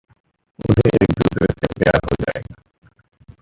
उन्हें एक-दूसरे से प्यार हो जाएगा।